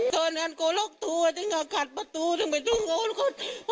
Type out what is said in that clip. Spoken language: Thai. ตอนนั้นล๊อกตัวขัดประตูถึงไปดึงโรงโรค